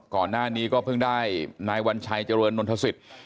ก่อนหน้านี้ก็เพิ่งได้นายวัญชัยเจริญนนทศิษย์